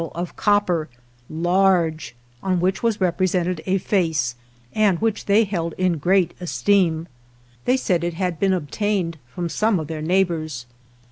138 ALVAR NUNEZ CABEZA DE VACA of copper, large, on which was represented a face, and which they held in great esteem. They said it had been obtained from some of their neighbors.